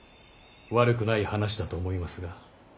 悪くない話だと思いますが。